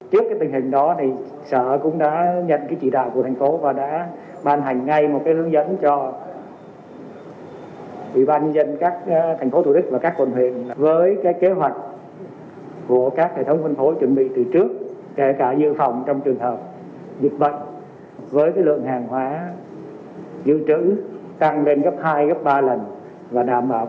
rất là khó khăn